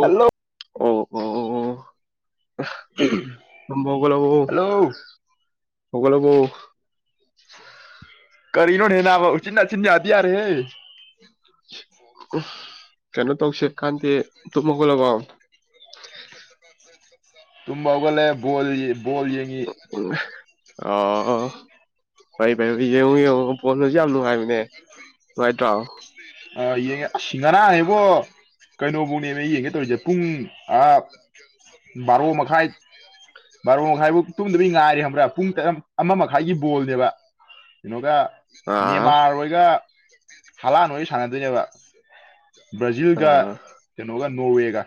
hello ꯑꯣ ꯑꯣ hello ꯕꯨ ꯁꯒꯕꯨꯎ ꯀꯔꯤꯅꯣꯅꯦꯅ ꯆꯤꯅꯥ ꯆꯤꯅꯇꯔ ꯍꯦ ꯀꯩꯅꯣ ꯇꯧꯁꯦ ꯀꯥꯟꯗꯦ ꯇꯨꯞꯃꯒꯣꯂꯕ ꯇꯨꯝꯕ ꯍꯧꯒꯂꯦ ꯣꯜ ꯣꯜ ꯌꯦꯡꯉꯤ ꯑ [unintelligible] ꯅꯨꯡꯉꯥꯏꯕꯅꯦ ꯅꯨꯡꯉꯥꯏꯇ꯭ꯔꯣ ꯑ ꯌꯦꯡꯉ ꯁꯤꯡꯗꯔ ꯍꯥꯏꯕꯣ ꯀꯩꯅꯣꯐꯧꯅꯦꯅꯦ ꯌꯦꯡꯒꯦ ꯇꯧꯔꯤꯁꯦ ꯄꯨꯡ ꯕꯥꯔꯣ ꯃꯈꯥꯏ ꯃꯔꯕꯥꯔꯣ ꯃꯈꯥꯏꯕꯨ ꯇꯨꯝꯗꯕꯩ ꯉꯥꯏꯔꯦ ꯈꯕ꯭ꯔꯥ ꯄꯨꯡ ꯑꯃ ꯃꯈꯥꯏꯒꯤ ꯕꯣꯜꯅꯦꯕ ꯀꯩꯅꯣꯒ ꯑꯥ ꯅꯦꯃꯥꯔꯣꯏꯒ ꯍꯂꯥꯟ ꯅꯣꯏ ꯁꯥꯟꯅꯗꯣꯏꯅꯦꯕ ꯕ꯭ꯔꯥꯖꯤꯜꯒ ꯑꯥ ꯀꯩꯅꯣꯒ ꯅꯣꯔꯋꯦꯒ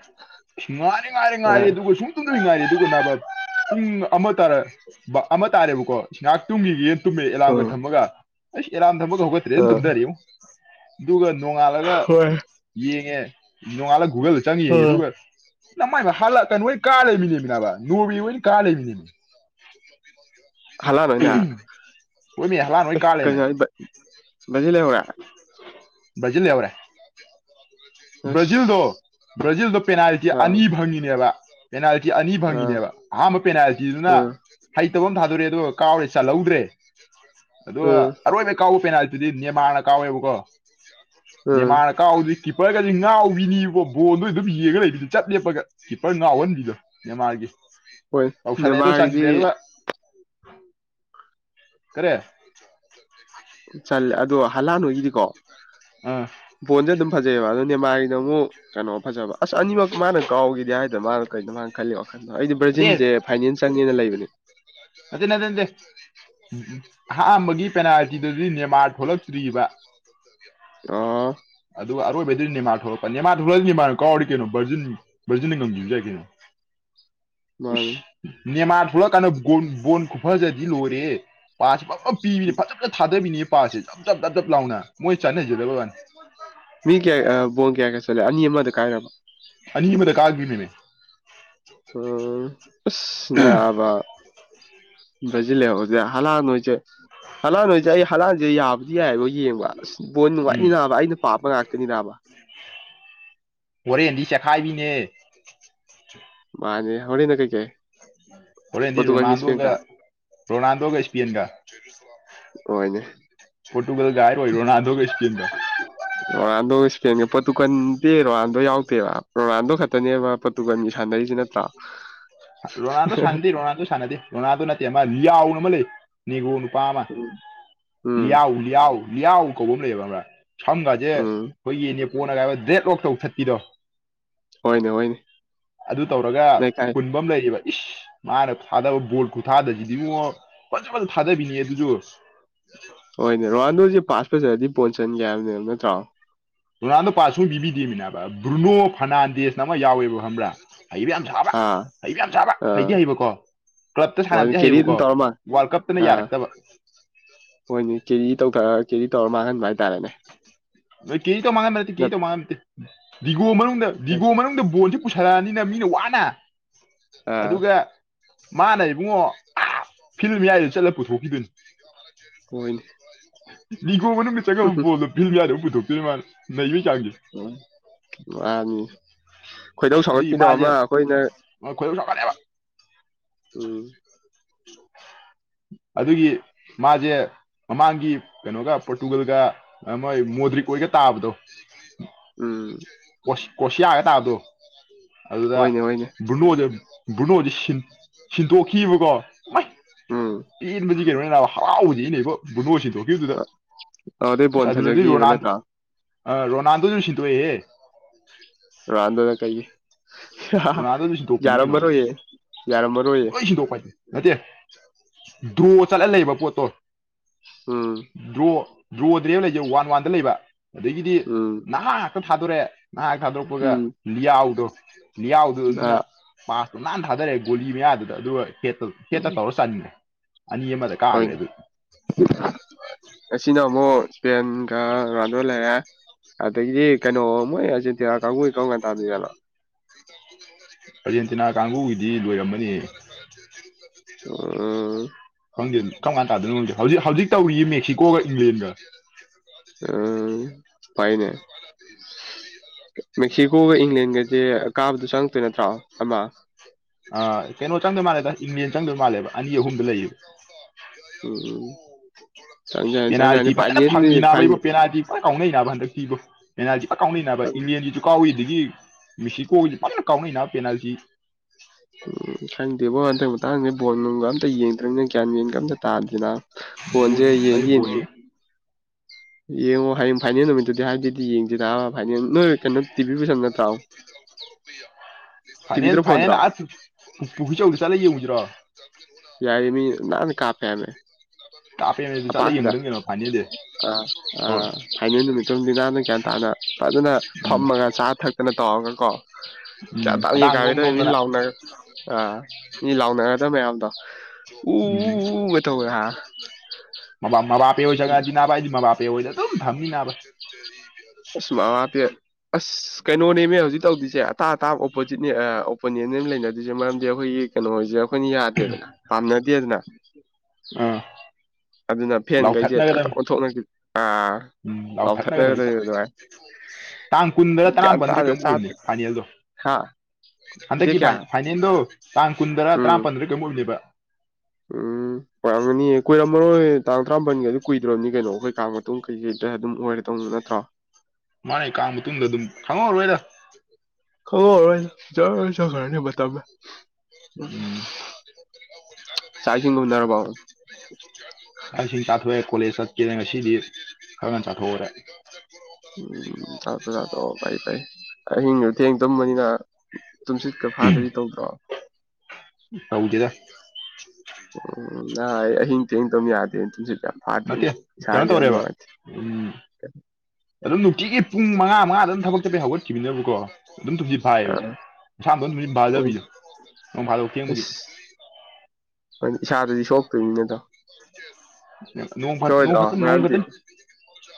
ꯉꯥꯏꯔꯦ ꯉꯥꯏꯔꯦ ꯉꯥꯏꯔꯦ ꯑꯥ ꯑꯗꯨꯒ ꯁꯨꯡꯇꯝꯗꯁꯨ ꯉꯥꯏꯔꯦ ꯑꯗꯨꯒ ꯅꯥꯕꯠ ꯄꯨꯡ ꯑꯃ ꯇꯥꯔ ꯑꯃ ꯇꯥꯔꯦꯕꯀꯣ ꯉꯍꯥꯛ ꯇꯨꯝꯈꯤꯒ ꯌꯦꯅ ꯇꯨꯝꯃꯦ ꯑꯦꯂꯥꯝꯒ ꯎꯝ ꯊꯝꯃꯒ ꯑꯁ ꯑꯔꯝ ꯊꯝꯕꯒ ꯍꯧꯒꯇ꯭ꯔꯦ ꯑꯗꯨꯝ ꯑꯥ ꯇꯨꯝꯗꯔꯤꯨ ꯑꯗꯨꯒ ꯅꯣꯡꯉꯥꯜꯂꯒ ꯍꯣꯏ ꯌꯦꯡꯉꯦ ꯅꯣꯡꯉꯥꯜꯂꯒ ꯒꯨꯒꯜꯗ ꯆꯪꯉ ꯌꯦꯡꯉꯦ ꯎꯝ ꯑꯗꯨꯒ ꯅꯃꯥꯏ ꯍꯜꯂꯛ ꯀꯩꯅꯣ ꯍꯣꯏ ꯀꯥ ꯂꯩꯃꯤꯅꯦꯕꯅꯕ ꯅꯣꯔꯤ ꯑꯣꯏꯅ ꯀꯥ ꯂꯩꯃꯤꯅꯦ ꯍꯂꯥꯟ ꯑꯣꯏꯅ ꯑꯣꯏꯣꯏ ꯃꯤ ꯍꯍꯂꯅ ꯑꯣꯏꯣꯏ ꯀꯥꯂꯦꯃꯦ ꯖꯤ ꯂꯩ ꯕꯖꯜ ꯌꯥꯎꯔꯦ ꯑꯁ ꯕ꯭ꯔꯥꯖꯤꯜꯗꯣ ꯕ꯭ꯔꯥꯖꯤꯜꯗꯣ ꯄꯦꯅꯥꯜꯇꯤ ꯑꯥ ꯑꯅꯤ ꯐꯪꯉꯤꯅꯦꯕ ꯄꯦꯅꯥꯜꯇꯤ ꯑꯅꯤ ꯑꯥ ꯐꯪꯉꯤꯅꯦꯕ ꯑꯍꯥꯟꯕ ꯄꯦꯅꯥꯜꯇꯤꯗꯨꯅ ꯎꯝ ꯍꯩ ꯑꯃ ꯊꯥꯗꯣꯔꯛꯑꯦ ꯑ ꯀꯥꯎꯔꯦ ꯆꯥꯍꯧꯗ꯭ꯔꯦ ꯑꯗꯨꯒ ꯎꯝ ꯑꯔꯣꯏꯕ ꯀꯥꯎꯕ ꯄꯦꯅꯥ ꯑꯗꯨꯗꯤ ꯅꯦꯃꯥꯟꯅ ꯀꯥꯎꯋꯦꯕꯀꯣ ꯎꯝ ꯅꯦꯃꯥꯟꯅꯀꯥꯎꯗꯤ ꯀꯤꯞꯄꯔꯒꯗꯤ ꯉꯥꯎꯔꯤꯅꯤꯕ ꯕꯣꯜꯗꯣ ꯑꯗꯨꯝ ꯌꯦꯡꯉꯒ ꯂꯩꯕꯤꯗ ꯆꯠ ꯂꯦꯞꯄꯒ ꯀꯤꯞꯄꯔ ꯉꯥꯎꯍꯟꯕꯤꯗꯣ ꯃꯦꯟꯃꯥꯔꯒꯤ ꯍꯣꯏ ꯑꯣꯧꯁꯥꯗ ꯂꯩꯦ ꯑꯗꯨ ꯆꯥꯟꯦ ꯅꯦꯃꯥꯔꯒꯤꯗꯤ ꯇ ꯀꯔꯦ ꯆ ꯑꯗꯣ ꯍꯂꯥꯟꯣꯏꯒꯤꯗꯤꯀꯣ ꯑꯥ ꯕꯣꯟꯁꯦ ꯑꯗꯨꯝ ꯐꯖꯩꯑꯕ ꯑꯗꯨꯣꯅꯦꯃꯥꯒꯤ ꯑꯗ ꯑꯃꯨꯛ ꯀꯩꯅꯣ ꯐꯖꯕ ꯑꯁ ꯑꯅꯤꯃꯛ ꯃꯥꯅ ꯀꯥꯎꯈꯤꯗꯤ ꯍꯥꯏꯗꯅ ꯃꯥꯅ ꯀꯩꯅꯣ ꯃꯥꯅ ꯈꯜꯂꯤꯣ ꯀꯩꯅꯣ ꯑꯩꯗꯤ ꯕ꯭ꯔꯥꯖꯤꯟꯁꯦ ꯐꯥꯏꯅꯜ ꯆꯪꯉꯦꯅ ꯂꯩꯕꯅꯦ ꯍꯊꯤꯟꯗꯗꯦ ꯑꯍꯝꯕꯒꯤ ꯄꯦꯅꯥꯜꯇꯤꯗꯨꯗꯤ ꯅꯦꯃꯥꯔ ꯊꯣꯛꯂꯛꯇ꯭ꯔꯤꯕ ꯑ ꯑꯗꯨꯒ ꯑꯔꯣꯏꯕꯗꯨꯗꯤ ꯅꯦꯃꯥ ꯊꯣꯛꯂꯛꯄ ꯅꯦꯃꯥ ꯊꯣꯛꯂꯛꯑꯗꯤꯅꯦꯃꯥꯅ ꯀꯥꯎꯔ ꯀꯩꯅ ꯕꯔꯖꯟ ꯕꯔꯖꯨꯟꯅ ꯉꯝꯖꯟꯖꯔꯔꯤ ꯀꯩꯅꯣ [unintelligible] ꯃꯥꯅꯦ ꯁ ꯅꯦꯃꯥꯟ ꯊꯣꯛꯂꯛꯀꯥꯟꯗ ꯕꯣꯟ ꯈꯨꯐꯖꯗꯤ ꯂꯣꯏꯔꯦ ꯄ ꯖ ꯄꯤꯕꯤꯅꯦ ꯐꯖꯅ ꯊꯥꯗꯕꯤꯅꯦ ꯄꯥꯁꯦ ꯖꯞ ꯖꯞ ꯗꯞ ꯖꯞ ꯂꯥꯎꯅ ꯃꯣꯏ ꯆꯥꯅꯁꯦꯕ ꯂꯅꯤ ꯃꯤ ꯀꯌꯥ ꯕꯣꯟ ꯀꯌꯥ ꯀꯌꯥ ꯆꯠꯂꯦ ꯑꯅꯤ ꯑꯃꯗ ꯀꯥꯏꯔꯕ ꯑꯅꯤ ꯃꯗ ꯀꯥꯥꯛꯕꯤꯅꯤꯅꯦ ꯎꯝ ꯑꯁꯅꯕ ꯕꯖꯤꯂꯖꯤꯦ ꯍꯂꯥꯟꯣꯏꯁꯦ ꯍꯂꯥꯟꯣꯏꯁꯦ ꯑꯩ ꯍꯂꯥꯟꯁꯦ ꯌꯥꯕꯗꯤ ꯌꯥꯏꯕ ꯌꯦꯡꯕ ꯑꯁ ꯕꯣꯣꯟ ꯅꯨꯡ ꯎꯝ ꯋꯥꯠꯅꯤꯅꯥꯕ ꯑꯩꯅ ꯄꯥꯄ ꯉꯥꯛꯇꯅꯤꯅꯥꯕ ꯍꯣꯔꯦꯟꯗꯤ ꯆꯦꯈꯥꯏꯕꯤꯅꯦ ꯃꯥꯅꯤꯅꯦ ꯍꯂꯤꯅ ꯀꯩ ꯀꯥꯏꯦ ꯑꯣꯔꯗꯤ ꯔꯣꯅꯥꯜꯗꯣ ꯀ ꯔꯣꯅꯥꯜꯗꯣ ꯀ ꯏꯁꯄꯦꯟ ꯀ ꯍꯣꯏꯅꯦ ꯄꯣꯇꯨꯒꯜ ꯥꯏꯔ ꯑꯣꯏꯔꯣꯅꯥꯗꯣ ꯀꯁꯀꯤꯟ ꯀ ꯑꯗꯣ ꯏꯁꯄꯦꯟꯒꯤ ꯄꯣꯠꯇꯨꯀꯟꯗꯤꯦ ꯔꯣꯕꯥꯥꯟꯗꯣ ꯌꯥꯎꯗꯦꯕ ꯔꯣꯨꯔꯥꯟꯗꯣ ꯈꯛꯇꯅꯦꯕ ꯄꯣꯠꯇꯨꯀꯟꯒꯤ ꯁꯥꯟꯅꯔꯤꯁꯤ ꯅꯠꯇ꯭ꯔꯣ [unintelligible] ꯔꯣꯅꯥꯜꯗꯣ ꯁꯥꯟꯤ ꯔꯣꯅꯥꯜꯗꯣ ꯁꯥꯟꯤ ꯔꯣꯅꯥꯜꯗꯣ ꯅ ꯑ ꯂ ꯅ ꯃ ꯂꯩꯅꯤꯉ ꯅꯨꯄꯥ ꯑꯃ ꯎꯝ ꯎꯝ ꯂꯤꯍꯎ ꯂꯤꯍꯥꯎ ꯂꯤꯌꯥꯎ ꯀꯧꯕ ꯑꯃ ꯂꯩꯌꯦꯕ ꯑꯃꯥ ꯁꯝꯒꯁꯦ ꯎꯝ ꯑꯩꯈꯣꯏꯒꯤ ꯅꯦꯄꯣꯅ ꯀꯥꯏꯕ ꯗꯦꯠꯂꯣꯛ ꯇꯧ ꯊꯠꯄꯤꯗꯣ ꯍꯣꯏꯅꯦ ꯍꯣꯏꯅꯦ ꯅ ꯀꯥꯏ ꯝ ꯂꯩꯔꯤꯕ ꯏꯁ ꯃꯥꯅ ꯊꯥꯗꯕ ꯕꯣꯜ ꯈꯨꯊꯥꯗꯕꯁꯤꯗꯤ ꯑꯃꯉꯛ ꯐꯖ ꯐꯖ ꯊꯥꯗꯕꯤꯅꯤ ꯑꯗꯨꯁꯨ ꯍꯣꯏꯅꯦ ꯔꯣꯅꯥꯜꯗꯣꯁꯦ ꯄꯥꯁ ꯐꯖꯔꯗꯤ ꯄꯣꯟꯠꯁꯤꯟꯒꯦ ꯍꯥꯏꯕꯅꯦ ꯅꯠꯇ꯭ꯔꯣ ꯔꯣꯅꯥꯜꯗꯣ ꯄꯥ ꯁꯨꯝ ꯄꯤꯕꯤꯗꯦꯃꯤꯕ ꯕ꯭ꯔꯨꯅꯣ ꯐꯔꯅꯥꯟꯗꯦꯁꯅ ꯑꯃ ꯌꯥꯎꯋꯦꯕ ꯈꯕ꯭ꯔꯥ ꯍꯩꯕ ꯌꯥꯝ ꯁꯥꯕ ꯑꯥ ꯍꯩꯕ ꯌꯥꯝ ꯁꯥꯕ ꯑꯥ ꯍꯩꯗꯤ ꯍꯩꯕꯀꯣ ꯀ꯭ꯂꯞꯇ ꯍꯣꯏꯅꯦ ꯁꯥꯟꯅꯕꯗꯤ ꯀꯦꯔꯤ ꯑꯗꯨꯝ ꯍꯩꯌꯦꯕꯀꯣ ꯇꯧꯔ ꯃꯥ ꯋꯥꯔꯜ ꯀꯞꯇꯅ ꯑꯥ ꯌꯥꯔꯛꯇꯕ ꯍꯣꯏꯅꯦ ꯀꯦꯔꯤ ꯇꯧꯊꯔ ꯀꯦꯔꯤ ꯇꯧꯔ ꯃꯥꯡꯍꯟꯕ ꯍꯥꯏꯇꯥꯔꯦꯅꯦ ꯅ ꯀꯦ ꯇꯧ ꯃꯥꯡꯍꯟ ꯅꯠꯇꯦ ꯀꯦ ꯅꯠ, ꯇꯧ ꯃꯥꯡꯍꯟ ꯅꯠꯇꯦ ꯗꯤꯒꯣ ꯃꯅꯨꯡꯗ ꯗꯤꯒꯣ ꯃꯅꯨꯡꯗꯕ ꯄꯨꯁꯜꯂꯛꯑꯅꯤꯅ ꯃꯤꯅ ꯋꯥꯅ ꯑꯥ ꯑꯗꯨꯒ ꯃꯥꯅ ꯏꯕꯨꯡꯉꯣ ꯐꯤꯜ ꯌꯥꯌꯥꯏꯗꯨ ꯆꯠꯂꯒ ꯄꯨꯊꯣꯛꯈꯤꯗꯨꯅꯤ ꯍꯣꯏꯅꯦ ꯃꯤꯒꯣꯕꯅꯃꯤ ꯆꯒ ꯐꯤꯕꯤ ꯌꯥꯗꯕꯨ ꯄꯨꯊꯣꯛꯇꯣꯏ ꯃꯥꯅ ꯅ ꯎꯝ ꯃꯥꯅꯤ ꯈꯣꯏꯗꯧ ꯁꯧꯒꯠꯄꯤꯗꯕ ꯑꯃ ꯑꯩꯈꯣꯏꯅ ꯀꯔꯕ ꯎꯝ ꯑꯗꯨꯒꯤ ꯃꯥꯁꯦ ꯃꯃꯥꯡꯒꯤ ꯀꯩꯅꯣꯒ ꯄꯣꯔꯇꯨꯒꯜꯒ ꯃꯣꯏ ꯃꯣꯗ꯭ꯔꯤꯛ ꯑꯣꯏꯒ ꯇꯥꯕꯗꯣ ꯎꯝ ꯁꯤ ꯀꯁꯤꯒꯦ ꯇꯥ ꯑꯗꯨꯣ ꯑꯗꯨꯗ ꯍꯣꯏꯅꯦ ꯍꯣꯏꯅꯦ ꯕ꯭ꯔꯨꯅꯣꯁꯦ ꯕ꯭ꯔꯨꯅꯣꯁꯦ ꯁꯤꯟꯗꯣꯛꯈꯤꯕꯀꯣ ꯍꯣꯏ ꯎꯝ ꯏꯟꯕꯗꯤ ꯀꯩꯅꯣꯅꯤ ꯅꯥ ꯍꯔꯥꯎꯕꯗꯤ ꯏꯅꯦ ꯏꯕ ꯕꯨꯅꯣꯁꯤꯅꯦ ꯈꯤꯕꯗꯨꯗ ꯑ- ꯑꯗꯨꯗꯩ ꯑꯁ ꯕꯣꯟ ꯑꯗꯨꯗꯗꯤ ꯌꯣ ꯐꯖꯈꯤꯕ ꯅꯍꯥꯟ ꯅꯠꯇ꯭ꯔꯣ ꯑ ꯔꯣꯅꯥꯜꯗꯣꯁꯨ ꯁꯤꯗꯣꯦ ꯍꯦ ꯔꯥꯟꯗꯗ ꯀꯩ ꯅꯥꯥꯗ ꯑꯗꯨꯝ ꯁꯤꯟꯗꯣꯛꯄꯤꯅꯤ ꯀꯩꯅꯣ ꯌꯥꯔꯝꯃꯔꯣꯏꯌꯦ ꯂꯣꯏ ꯁꯤꯟꯗꯣꯛꯄ ꯍꯥꯏꯗꯤꯦ ꯅꯠꯇꯦ ꯗ꯭ꯔꯣ ꯆꯠꯂ ꯂꯩꯕ ꯄꯣꯠꯇꯣ ꯑꯝ ꯗ꯭ꯔꯣ ꯗ꯭ꯔꯦꯕ ꯂꯩꯖꯩ ꯋꯥꯟ ꯋꯥꯟꯗ ꯂꯩꯕ ꯑꯗꯒꯤꯗꯤ ꯎꯝ ꯅꯍꯥ ꯉꯥꯛꯇ ꯊꯥꯗꯣꯔꯦ ꯅꯍꯥꯛ ꯊꯥꯗꯣꯛꯄꯒ ꯎꯝ ꯂꯤꯌꯥꯎꯗꯣ ꯂꯤꯌꯥꯎꯗꯣ ꯑꯗꯨꯅ ꯑꯥ ꯄꯥꯁ ꯑꯗꯨ ꯅꯥꯟ ꯊꯥꯗꯔꯛꯑꯦ ꯒꯣꯂꯤ ꯃꯌꯥꯗꯨꯗ ꯑꯗꯨꯒ ꯍꯦ ꯍꯦꯠꯇ ꯇꯧꯔ ꯆꯥꯅꯤꯡꯉꯦ ꯍꯣꯏꯅꯦ ꯑꯁꯤꯅ ꯑꯃꯨꯛ ꯄꯦꯟꯒ ꯔꯗ ꯂꯩꯔꯦ ꯑꯗꯒꯤꯗꯤ ꯀꯩꯅꯣ ꯃꯣꯏ ꯀꯪꯉꯏ ꯀꯪꯉ ꯇꯥꯗꯂ ꯑꯔꯖꯦꯟꯇꯤꯅꯥ ꯀꯥꯡꯕꯨꯒꯤꯗꯤ ꯂꯣꯏꯔꯝꯃꯅꯤ ꯎꯝ ꯈꯪꯗꯦ ꯀꯔꯝ ꯀꯥꯟꯅ ꯇꯥꯗꯅ ꯉꯗꯦ ꯍꯧꯖꯤꯛ ꯍꯧꯖꯤꯛ ꯇꯧꯔꯤꯌꯦ ꯃꯦꯛꯁꯤꯀꯣꯒ ꯏꯪꯂꯦꯟꯒ ꯎꯝ ꯄꯥꯏꯅꯦ ꯀꯥꯕꯗ ꯆꯪꯉꯛꯇꯣꯏ ꯅꯠꯇ꯭ꯔꯣ ꯑꯃ ꯐ ꯑ ꯀꯩꯅꯣ ꯆꯪꯗꯣꯏ ꯃꯥꯜꯂꯦꯗ ꯏꯪꯂꯦꯟ ꯆꯪꯗꯣꯏ ꯃꯥꯜꯂꯦꯕ ꯑꯅꯤ ꯑꯍꯨꯝꯗ ꯂꯩꯌꯦꯕ ꯎꯝ ꯆꯪꯖꯔꯅꯤ ꯄꯦꯅꯥꯜꯇꯤ ꯆꯪꯖꯔꯅꯤ ꯐꯖꯅ ꯐꯥꯏꯅꯦꯜꯅꯤ ꯐꯥꯏ ꯐꯪꯉꯤꯅꯕꯒꯤꯕꯨ ꯄꯦꯅꯥꯜꯇꯤ ꯄꯨꯔ ꯀꯥꯎꯅꯩꯕ ꯍꯟꯗꯛꯤꯕꯨ ꯄꯦꯅꯥꯜꯇꯤ ꯄꯨꯔ ꯀꯥꯎꯅꯕ ꯏꯪꯅꯦꯦ ꯁꯨ ꯀꯥꯎꯏꯤꯗꯒꯤ ꯃꯦꯛꯁꯤꯀꯣꯒꯤꯁꯨ ꯐꯖꯅ ꯀꯥꯎꯅꯩꯅ ꯄꯦꯅꯥꯜꯇꯤꯁꯤ ꯎꯝ ꯈꯪꯗꯦꯕꯣ ꯑꯗꯨꯩ ꯃꯇꯥꯡꯁꯦ ꯕꯣꯜ ꯅꯨꯡꯒ ꯑꯝꯇ ꯌꯦꯡꯗ꯭ꯔꯤꯅꯤꯅ ꯒ꯭ꯌꯥꯟ ꯃꯟꯒ ꯑꯝꯇ ꯇꯥꯗ꯭ꯔꯤꯅ ꯕꯣꯜ ꯐꯣꯟꯣꯟꯁꯦ ꯑꯩ ꯌꯦꯡꯗꯤ ꯌꯦ ꯕꯣꯜ ꯌꯦꯡꯉꯦ ꯌꯦꯡꯉꯣ ꯍꯌꯦꯡ ꯐꯥꯏꯅꯦꯜ ꯅꯨꯃꯤꯠꯇꯨꯗꯤ ꯍꯥꯏꯗꯤꯗꯤ ꯌꯦꯡꯗꯦꯗ ꯐꯥꯏꯅꯦꯜ ꯅꯣꯏ ꯀꯩꯅꯣ ꯇꯤꯚꯤ ꯄꯨꯁꯟ ꯅꯠꯇ꯭ꯔꯥ ꯐꯥꯏꯅꯦꯜ ꯐꯥꯏꯅꯜ ꯑ ꯄꯨꯆꯧꯗ ꯆꯠꯂ ꯌꯦꯡꯉꯨꯁꯤꯔꯣ ꯌꯥꯏ ꯃꯤ ꯅꯑꯅ ꯀꯥꯄꯦ ꯑꯃꯦ ꯇꯥꯦ ꯆꯂ ꯌꯦꯡꯒꯒꯅꯣ ꯐꯅꯤ ꯑꯥ ꯑꯥ ꯐꯤꯅꯥꯟ ꯅꯨꯃꯤꯠꯇꯣꯗꯤ ꯅꯍꯥꯟꯅ ꯒ꯭ꯌꯥꯟ ꯇꯥꯅ ꯐꯖꯅ ꯎꯝ ꯐꯝꯃꯒ ꯆꯥ ꯊꯛꯛꯇꯅ ꯇꯥꯎꯑꯒ ꯎꯝ ꯌꯥꯗ ꯌꯦ ꯈꯗꯥꯡ ꯅꯣꯝ ꯋꯗ ꯃꯤ ꯅꯣꯝꯗꯅ ꯂꯥꯎꯅ ꯑꯥ ꯃꯤ ꯂꯥꯎꯅꯒꯗꯕ ꯃꯌꯥꯝꯗꯣ ꯎꯒ ꯇꯧ ꯍꯥꯏ ꯃꯥꯕꯥꯄꯦ ꯍꫭꯏ ꯉꯗꯤꯅꯥꯄꯥꯥꯏ ꯃꯥ ꯕꯥꯄꯣꯏ ꯊꯝꯃꯤꯅꯥꯥꯏ ꯑꯁꯃ ꯋꯥꯄꯦ ꯑꯁ ꯀꯩꯅꯣꯅꯦꯃꯦ ꯍꯧꯖꯤꯛ ꯇꯧꯗꯁꯦ ꯑꯇꯥ ꯑꯇꯥꯕ ꯑꯣꯄꯣꯖꯤꯠꯅꯦ ꯑꯣꯄꯣꯅꯤꯌꯟꯅ ꯂꯩꯅꯗꯣꯏꯁꯦ ꯃꯔꯝꯗꯤ ꯑꯩꯈꯣꯏꯒꯤ ꯀꯩꯅꯣꯁꯦ ꯑꯩꯈꯣꯏꯅ ꯌꯥꯗꯦꯗꯅ ꯄꯥꯝꯅꯗ ꯑꯗꯨꯅ ꯑꯥ ꯑꯗꯨꯅ ꯐꯦꯟꯈꯩꯁꯦ ꯇꯥꯛ ꯂꯥꯎꯊꯠꯅꯒꯗꯝꯅꯤ ꯇꯛꯅ ꯊꯣꯛꯅꯁꯤꯥ ꯎꯝ ꯂꯥꯎꯊꯠꯅꯒꯗꯝꯅꯤ ꯂꯥꯎꯊꯠꯅꯒꯗꯣꯏ ꯑꯗꯨꯋꯥꯏ ꯇꯥꯡ ꯀꯨꯟꯗ ꯇꯔꯥꯃꯥꯄꯜꯗ ꯇꯥꯅ ꯀꯔꯤꯝꯨꯛ ꯆꯥ ꯑꯣꯏꯕꯅꯤ ꯐꯥꯏꯅꯦꯜꯗꯣ ꯍꯥ ꯗꯦꯠ ꯍꯟꯗꯛꯀꯤ ꯀꯌꯥ ꯐꯥꯏꯅꯜꯗꯣ ꯇꯥꯡ ꯀꯨꯟꯗꯔꯥ ꯎꯝ ꯇꯔꯥꯄꯟꯗ ꯀꯩꯝ ꯑꯣꯏꯕꯅꯦꯕ ꯎꯝ ꯄꯔꯝꯔꯣ ꯇ ꯀꯔꯥꯝꯕꯟꯒꯤ ꯑꯗꯨ ꯀꯨꯏꯗ꯭ꯔꯣꯅꯤ ꯀꯩꯅꯣ ꯑꯩꯈꯣꯏ ꯀꯥ ꯃꯇꯨꯡ ꯀꯩꯀꯩꯗ ꯑꯗꯨꯝ ꯑꯣꯏꯔ ꯇꯧꯅꯣ ꯅꯠꯇ꯭ꯔꯣ ꯊꯃꯣꯔꯦꯗ ꯈꯪꯍꯧꯔꯥꯔꯣꯏꯗ ꯖꯔ ꯆꯠꯈꯔꯅꯤꯕꯇꯥꯕꯃꯦ ꯎꯝ ꯆꯥꯛ ꯏꯁꯤꯡꯒ ꯎꯅꯔꯕꯣ ꯑꯩꯁꯤꯡ ꯆꯊꯋꯦ ꯀꯣꯂꯦꯖ ꯆꯠꯀꯦꯅ ꯉꯁꯤꯗꯤ ꯈꯔꯅ ꯆꯥꯊꯣꯛꯎꯔꯦ ꯎꯝ ꯆ ꯄꯨꯖꯥꯗꯣ ꯐꯩ ꯐꯩ ꯑꯍꯤꯡꯗꯨꯣ ꯊꯦꯡ ꯇꯨꯝꯕꯅꯤꯅ ꯇꯨꯝꯁꯤꯠꯀ ꯐꯥꯗꯗꯤ ꯇꯧꯗ꯭ꯔꯣ ꯇꯧꯗꯦꯗ ꯎꯝ ꯑꯍꯤꯡ ꯊꯤꯡ ꯇꯧꯃꯤ ꯌꯥꯗꯦ ꯐꯥꯇꯤꯟ ꯅꯠꯇꯦ ꯏ ꯀꯩꯅꯣ ꯁꯥꯥꯖ ꯇꯧꯔꯦꯕ ꯎꯝ ꯑꯗꯨꯝ ꯅꯨꯡꯇꯤꯒꯤ ꯄꯨꯡ ꯃꯉꯥ ꯃꯉꯥꯗ ꯑꯗꯨꯝ ꯊꯕꯛꯇꯗꯤ ꯍꯧꯒꯠꯈꯤꯕꯅꯕꯀꯣ ꯑꯗꯨꯝ ꯊꯨꯝꯁꯤ ꯐꯥꯏꯌꯦꯕ ꯑꯥ ꯏꯁꯥꯝꯝ ꯊꯨꯝꯁꯤ ꯍꯣꯏ ꯐꯥꯗꯕꯤꯗꯣ ꯅꯣꯡ ꯐꯥꯗꯣꯛ ꯀꯦꯡꯕꯒꯤ ꯍ ꯏꯁꯥꯗꯗꯤ ꯁꯣꯛꯇꯣꯏꯅꯤꯅꯗ ꯅꯣꯡ ꯅꯣꯡ ꯁꯣꯏꯗ꯭ꯔꯥ ꯈꯛꯇ ꯅꯣꯡ ꯃꯌꯥꯝꯗꯤ ꯈꯛꯇ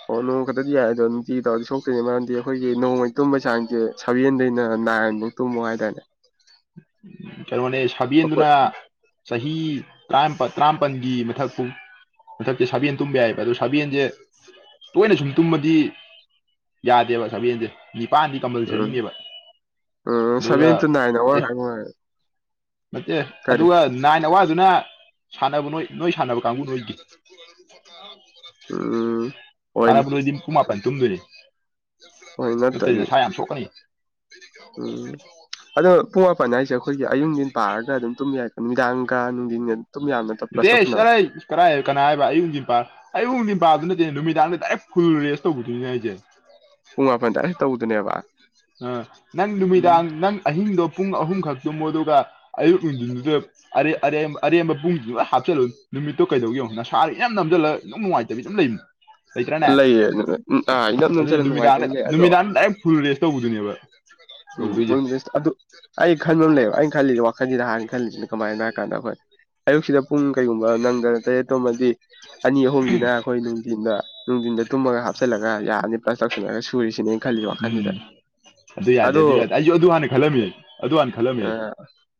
ꯑꯣ ꯅꯣꯡ ꯈꯛꯇꯗꯤ ꯌꯥꯏ ꯑꯗꯣ ꯅꯨꯡꯇꯤ ꯇꯥꯎꯗꯤ ꯁꯣꯛꯇꯣꯏꯅꯦ ꯃꯔꯝꯗꯤ ꯑꯩꯈꯣꯏꯒꯤ ꯅꯣꯡꯃꯩ ꯇꯨꯝꯕꯩ ꯆꯥꯡꯁꯦ ꯁꯚꯦꯟꯗꯩꯅ ꯅꯥꯏꯟꯐꯧ ꯇꯨꯝꯃꯣ ꯍꯥꯏꯇꯥꯔꯦ ꯀ ꯃꯅꯤ ꯑꯩꯈꯣꯏ ꯁꯕꯤꯗꯅ ꯆꯍꯤ ꯇꯔꯥꯃꯥꯄꯜꯒꯤ ꯃꯊꯛ ꯄꯨ ꯃꯊꯛꯇꯤ ꯁꯥꯕꯦꯟ ꯇꯨꯝꯕ ꯌꯥꯏꯕ ꯑꯗꯣ ꯁꯥꯕꯦꯜꯁꯦ ꯇꯣꯏꯅ ꯁꯨꯝ ꯇꯨꯝꯃꯗꯤ ꯌꯥꯗꯦꯕ ꯁꯚꯦꯟꯁꯦ ꯅꯤꯄꯜꯗꯤ ꯎꯝ ꯀꯝꯄꯜꯁꯔꯤꯅꯦꯕ ꯑꯗꯨꯒ ꯍꯣꯏ ꯍ ꯍꯣꯏ ꯅꯠꯇꯦ ꯑꯗꯨꯒ ꯅꯥꯏꯟ ꯑꯋꯥꯔꯗꯨꯅ ꯁꯥꯟꯅꯕ ꯅꯣꯏ ꯅꯣꯏ ꯁꯥꯟꯅꯕ ꯀꯥꯡꯕꯨ ꯅꯣꯏꯒꯤ ꯎꯝ ꯍꯣꯏꯅꯦ ꯍꯔꯕ ꯔꯖꯤ ꯀꯨꯃꯥꯄꯟ ꯇꯨꯒꯔꯤ ꯍꯣꯏ ꯑꯇꯩ ꯅꯠꯇ꯭ꯔꯗꯤ ꯅꯁꯥ ꯌꯥꯝ ꯊꯣꯛꯀꯅꯤ ꯎꯝ ꯑꯗꯣ ꯄꯨꯡ ꯃꯥꯄꯟ ꯍꯥꯏꯁꯦ ꯑꯩꯈꯣꯏꯒꯤ ꯑꯌꯨꯛꯒꯤꯟ ꯄꯥꯑꯒ ꯑꯗꯨꯝ ꯇꯨꯝ ꯌꯥꯏ ꯅꯨꯃꯤꯗꯥꯡꯒ ꯅꯨꯅꯨꯡꯗꯤ ꯗꯦ ꯆꯔ ꯀꯔꯥꯏ ꯀꯅꯥ ꯍꯥꯏꯕ ꯑꯌꯨꯛ ꯄꯥ ꯑꯌꯨꯛ ꯅꯨꯡꯖꯤꯟ ꯄꯄꯥꯗꯨꯅ ꯅꯨꯃꯤꯗꯥꯡꯗ ꯗꯥꯏꯦ ꯐꯨꯜ ꯔꯦꯁ ꯇꯧꯕꯗꯨꯣꯏꯅꯦ ꯍꯥꯏꯁꯦ ꯄꯨꯡ ꯃꯥꯄꯟꯗ ꯑꯩ ꯇꯧꯗꯨꯅꯦꯕ ꯑ ꯅꯪ ꯅꯨꯃꯤꯗꯥꯡ ꯅꯪ ꯑꯍꯤꯡꯗꯣ ꯄꯨꯡ ꯑꯍꯨꯝ ꯈꯛꯇꯃꯨ ꯑꯗꯨꯒ ꯑꯌꯨꯛ ꯅꯨꯡꯊꯤꯟꯗꯨꯗ ꯑꯔꯦꯝꯕ ꯑꯔꯦꯝꯕ ꯄꯨꯡꯗꯨ ꯍꯥꯞꯆꯤꯜꯂꯨ ꯅꯨꯃꯤꯠꯇꯣ ꯀꯩꯗꯧꯒꯤꯉꯨ ꯅꯁꯥꯔꯤ ꯌꯥꯝ ꯅꯝꯁꯤꯜꯂꯒ ꯏꯅꯨꯡ ꯅꯨꯡꯉꯥꯏꯇꯕꯤ ꯌꯥꯝ ꯂꯩꯃꯤꯅꯤ ꯂꯩꯇ꯭ꯔꯥꯅꯦ ꯂꯩꯌꯦ ꯑꯗꯨꯅ ꯎꯝ ꯑꯥ ꯏꯅꯝ ꯑꯗꯨꯅꯦ ꯅꯝꯖꯜꯂ ꯅꯨꯃꯤꯗꯥꯡꯗ ꯅꯨꯡꯉꯥꯏꯇꯕ ꯂꯩ ꯑꯗꯣ ꯅꯨꯃꯤꯗꯥꯡ ꯗꯥꯏꯔꯦꯛ ꯐꯔꯨꯔꯦ ꯇꯧꯕꯗꯨꯅꯦꯕ ꯎꯝꯁ ꯑꯗꯨ ꯑꯩ ꯈꯟꯕ ꯑꯃ ꯂꯩꯕ ꯑꯩꯅ ꯈꯜꯂꯤꯁꯦ ꯋꯥꯈꯜꯁꯤꯅ ꯍꯥꯟꯅ ꯈꯜꯂꯤꯁꯤꯅ ꯀꯃꯥꯏꯅ ꯍꯥꯏ ꯀꯥꯟꯗ ꯑꯩꯈꯣꯏ ꯑꯌꯨꯛꯁꯤꯗ ꯄꯨꯡ ꯀꯩꯒꯨꯝꯕ ꯅꯪꯗꯅ ꯇꯔꯦꯠꯇꯣꯃꯗꯤ ꯑꯅꯤ ꯑꯍꯨꯝꯁꯤꯅ ꯑꯩꯈꯣꯏ ꯅꯨꯡꯊꯤꯟꯗ ꯅꯨꯡꯊꯤꯟꯗ ꯇꯨꯝꯃꯒ ꯍꯥꯞꯆꯤꯜꯂꯒ ꯌꯥꯔꯅꯤ ꯄ ꯆꯉꯒ ꯁꯨꯔꯤꯁꯤꯅꯦꯩꯅ ꯈꯜꯂꯤꯁ ꯋꯥꯈꯜꯁꯤꯗ ꯎꯝ ꯑꯗꯨ ꯌꯥꯗꯦ ꯑꯗꯣ ꯑꯗꯨ ꯌꯥꯗꯦ ꯑꯩꯁꯨ ꯑꯗꯨ ꯍꯥꯟꯅ ꯈꯜꯂꯝꯃꯤ ꯑꯗꯨ ꯍꯥꯟꯅ ꯈꯜꯂꯝꯃꯤ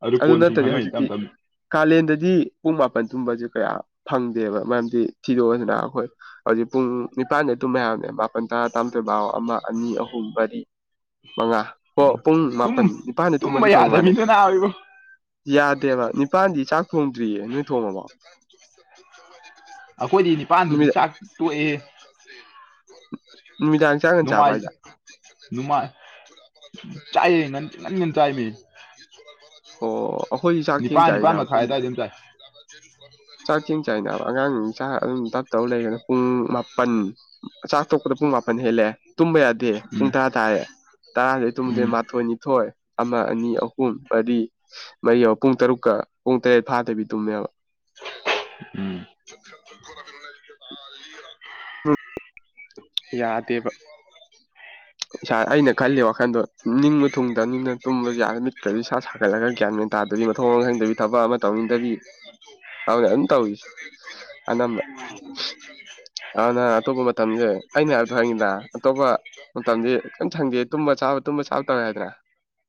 ꯑꯗꯨ ꯀꯣꯟꯅ ꯁꯨꯝ ꯈꯪꯉꯛꯅꯤ ꯇꯞ ꯇꯞꯅꯤ ꯀꯂꯦꯟꯗꯗꯤ ꯄꯨꯝ ꯃꯥꯄꯟ ꯇꯨꯝꯕꯁꯦ ꯀꯌꯥ ꯐꯪꯗꯦꯕ ꯃꯔꯝꯗꯤ ꯊꯤꯗꯣꯛꯑꯗꯅ ꯑꯩꯈꯣꯏ ꯍꯧꯖꯤꯛ ꯄꯨꯡ ꯅꯤꯄꯥꯟꯗ ꯇꯨꯝꯕ ꯌꯥꯕꯅꯦ ꯀꯨꯟꯊ꯭ꯔꯥ ꯇꯥꯝꯊꯣꯏꯕꯥꯥꯎ ꯑꯃ ꯑꯅꯤ ꯑꯍꯨꯝ ꯃꯔꯤ ꯃꯉꯥ ꯍꯣ ꯄꯨꯡ ꯃꯥꯄꯟ ꯅꯤꯄꯥꯟꯗ ꯇꯨꯝꯕ ꯇꯨꯝꯃꯗꯤ ꯐꯪ ꯌꯥꯗ ꯃꯥꯜꯅꯦ ꯃꯤꯗꯨꯅꯅꯥ ꯑꯣꯏꯕ ꯦ ꯌꯥꯗꯦꯕ ꯅꯤꯄꯥꯟꯗꯤ ꯆꯥꯛ ꯊꯣꯡꯗ꯭ꯔꯤꯌꯦ ꯅꯣꯏ ꯊꯣꯡꯉꯕꯣ ꯑꯩꯈꯣꯏꯗꯤ ꯅꯤꯄꯥꯥꯟꯗꯨꯗꯤ ꯅꯨꯃꯤꯗꯥꯡ ꯆꯥꯛ ꯇꯣꯛꯑꯦ ꯅꯨꯃꯤꯗꯥꯡ ꯆꯥꯛ ꯉꯟ ꯆꯥꯕ꯭ꯔꯥ ꯣꯡꯃꯥꯏ ꯍꯥꯏꯁꯦ ꯅꯨꯡꯃꯥꯏ ꯆ ꯉꯟꯟ ꯆ ꯃꯤ ꯑꯣ ꯑꯩꯈꯣꯏꯗꯤ ꯆꯥꯛ ꯊꯦꯡ ꯅꯤꯄꯥꯥꯟ ꯅꯤꯄꯥꯥꯟ ꯆꯥꯏꯅ ꯃ ꯈꯥꯏ ꯄꯨꯡ ꯇꯝꯇꯥꯏ ꯣ ꯆꯥꯛ ꯊꯦꯡ ꯆꯥꯏꯅꯕ ꯑꯉꯥꯡ ꯆꯥꯛ ꯑꯗꯨꯝ ꯇꯞ ꯇꯧ ꯂꯩꯅ ꯄꯨꯡ ꯃꯥꯄꯟ ꯆꯥꯛ ꯊꯣꯛꯄꯗ ꯄꯨꯡꯄ ꯃꯅꯤꯍꯦꯂꯦ ꯇꯨꯝꯕ ꯌꯥꯗꯦ ꯎꯟ ꯇ ꯇꯥꯔꯦ ꯇꯔꯥꯥꯁꯩ ꯇꯨꯝꯃꯗꯦ ꯎꯝ ꯎꯝ ꯃꯥꯊꯣꯏ ꯅꯤꯊꯣꯏ ꯑꯃ ꯑꯅꯤ ꯑꯍꯨꯝ ꯃꯗꯤ ꯃꯔꯤ ꯌꯥ ꯄꯨꯡ ꯇꯔꯨꯛꯀ ꯄꯨꯡ ꯇꯔꯦꯠ ꯐꯥꯗꯕꯤꯗꯨꯝꯅꯦꯕ ꯆꯔ ꯎꯝ ꯌꯥꯗꯦꯕ ꯏꯁꯥ ꯑꯩꯅ ꯈꯜꯂꯤ ꯋꯥꯈꯟꯗꯣ ꯅꯤꯡꯕ ꯊꯨꯡꯗꯕꯅꯤꯅ ꯇꯨꯝꯕꯁꯨ ꯌꯥꯔ ꯃꯤꯠꯈ꯭ꯔꯗꯤ ꯏꯁꯥ ꯁꯥꯒꯠꯂꯒ ꯒꯌꯥꯟ ꯑꯣꯏꯅ ꯇꯥꯔꯦ ꯑꯗꯨꯗꯤ ꯃꯊꯣꯡ ꯃꯍꯪꯗꯕꯤ ꯊꯕꯛ ꯑꯃ ꯇꯧꯅꯤꯡꯗꯕꯤ ꯍꯅꯦ ꯑꯗꯨꯟ ꯇꯧ ꯑꯅ ꯑꯅ ꯑꯇꯣꯞꯄꯕ ꯊꯝꯖꯦ ꯑꯩꯅ ꯍꯥꯏꯕꯗ ꯍꯪꯉꯤꯗ ꯑꯇꯣꯞꯄ ꯃꯇꯝꯗꯤ ꯀꯔꯤꯝ ꯁꯪꯗꯦ ꯇꯨꯝꯕ ꯆꯥꯕ ꯇꯨꯝꯕ ꯆꯥꯕ ꯇꯧꯋꯦ ꯍꯥꯏꯗꯅ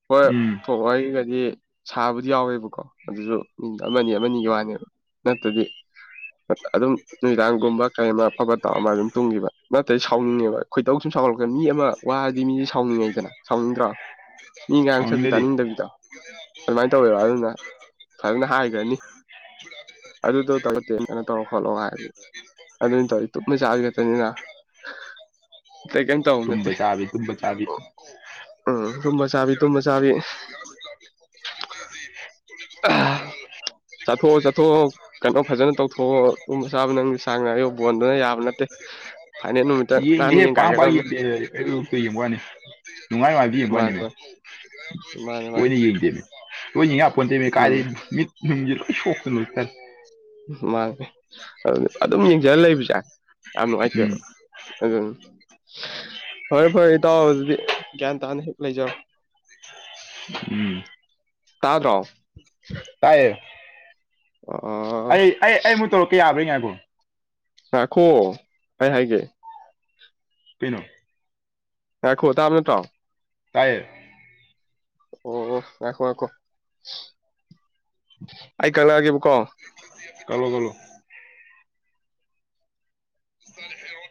ꯍꯣꯏ ꯎꯝ ꯊꯣꯡꯛꯒꯗꯤ ꯁꯥꯕꯨꯗꯤ ꯌꯥꯎꯋꯦꯕꯀꯣ ꯑꯗꯨꯁꯨ ꯃꯤꯅꯤꯠ ꯑꯃꯅꯤ ꯑꯃꯅꯤꯒꯤ ꯋꯥꯅꯦꯕ ꯅꯠꯇꯗꯤ ꯑꯗꯨꯝ ꯅꯨꯃꯤꯗꯥꯡꯒꯨꯝꯕ ꯀꯔꯤ ꯑꯃ ꯑꯐꯕ ꯇꯥꯎ ꯑꯃ ꯑꯗꯨꯝ ꯇꯨꯡꯈꯤꯕ ꯅꯠꯇ꯭ꯔꯦ ꯁꯥꯎꯅꯤꯡꯉꯦꯕ ꯑꯩꯈꯣꯏꯇꯧ ꯁꯨꯝ ꯁꯥꯎꯒꯠꯂꯛꯀꯅꯤ ꯃꯤ ꯑꯃ ꯋꯥꯔꯗꯤ ꯃꯤꯁꯦ ꯁꯥꯎꯅꯤꯡꯉꯦꯗꯅ ꯁꯥꯎꯅꯤꯡꯗ꯭ꯔꯥ ꯃꯤ ꯉꯥꯡꯁꯛꯄꯤ ꯇꯥꯅꯤꯡꯗꯕꯤꯗꯣ ꯑꯗꯨꯃꯥꯏꯅ ꯇꯧꯋꯦꯕ ꯑꯗꯨꯅ ꯐꯖꯅ ꯍꯥꯏꯈ꯭ꯔꯅꯤ ꯑꯗꯨꯗ ꯇꯔꯅ ꯇꯧꯔ ꯐꯂꯣ ꯍꯥꯏꯦ ꯑꯗꯨꯅ ꯇꯧꯋ ꯇꯞꯅ ꯆꯥꯒꯅꯤꯅ ꯥꯎꯅꯠꯇꯦ ꯎꯝ ꯇꯨꯝꯕ ꯆꯥꯕꯤ ꯇꯨꯝꯕ ꯆꯥꯕꯤ ꯗ ꯃꯁꯥꯜ ꯆꯠꯊꯣꯛꯑꯣ ꯆꯠꯊꯣꯛꯑꯣ ꯀꯩꯅꯣ ꯐꯖꯅ ꯇꯧꯊꯣꯛꯑꯣ ꯇꯨꯝꯕ ꯆꯥꯕ ꯅꯪ ꯁꯥꯡ ꯉ ꯑꯌꯨ ꯕꯣꯟꯗꯨꯅ ꯌꯥꯕ ꯅꯠꯇꯦ [unintelligible] ꯌꯦ ꯅꯥꯟꯅ ꯌꯦ ꯄꯝ ꯄ ꯌꯦꯡꯒꯥꯏꯒꯗꯕꯅꯦ ꯀ ꯋꯥꯅꯤ ꯅꯨꯡꯉꯥꯏꯅꯨꯡꯉꯥꯏꯇ ꯌꯦꯡꯕ ꯌꯥꯅꯤꯅꯦ ꯃꯥꯅꯤ ꯃꯥꯅꯤ ꯃꯥꯅꯤ ꯂꯣꯏꯅ ꯌꯦꯡꯗꯦꯅꯦ ꯂꯣꯏꯅꯤꯡ ꯉꯥꯄꯣꯟꯟꯗ ꯀꯥꯗꯦ ꯎꯝ ꯃꯤꯠ ꯅꯨꯡꯁꯤ ꯂꯣꯏ ꯁꯣꯛꯇꯅꯨ ꯆꯔ ꯎ ꯃꯥꯅꯦꯦ ꯑꯗꯨ ꯑꯗꯨꯝ ꯌꯦꯡꯖꯔ ꯂꯩꯕꯁꯦ ꯌꯥꯝ ꯎꯝ ꯅꯨꯡꯉꯥꯏꯇꯦꯕ ꯑꯗꯨ ꯐꯔꯦ ꯐꯔꯦ ꯏꯇꯥꯎ ꯑꯗꯨꯗꯤ ꯒ꯭ꯌꯥꯟ ꯇꯥꯅ ꯍꯦꯛ ꯂꯩꯖꯔꯣ [inaudible] ꯇꯥꯗ꯭ꯔꯣ ꯀꯥꯏ ꯑ ꯑꯩ ꯑꯩ ꯑꯩꯃꯨꯛ ꯇꯧꯔꯛꯀꯦ ꯌꯥꯕ꯭ꯔꯥ ꯉꯥꯏꯕꯣ ꯍꯥꯈꯣ ꯑꯩ ꯍꯥꯏꯒꯦ ꯄꯩꯅꯣ ꯍꯦ ꯈꯣꯗꯕꯅ ꯇꯣ ꯇꯥꯏ ꯑꯣ ꯑꯣ ꯑꯈꯣ ꯑꯈꯣ ꯑꯩꯀꯂꯒꯦ ꯀꯂꯣ ꯀꯣꯂꯣ ꯇꯥꯔꯦ ꯍꯦꯔꯣ